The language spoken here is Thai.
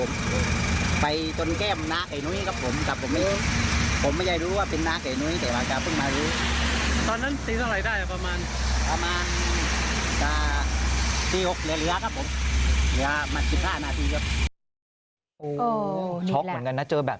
มาเศรษฐ์เจอแบบนี้นะครับเออเภาะเหมือนกันครับ